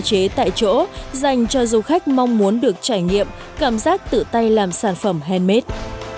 hoạt động tài chế tại chỗ dành cho du khách mong muốn được trải nghiệm cảm giác tự tay làm sản phẩm handmade